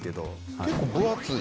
結構分厚い。